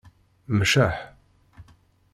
Mceḥ.